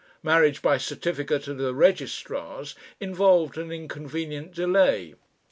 Marriage by certificate at a registrar's involved an inconvenient delay.